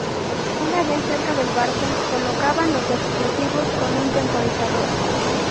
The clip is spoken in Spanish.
Una vez cerca del barco colocaban los explosivos con un temporizador.